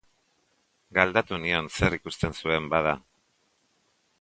Galdatu nion zer ikusten zuen bada.